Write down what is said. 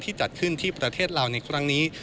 จัดขึ้นที่ประเทศลาวในครั้งนี้